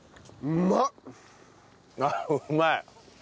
うまい。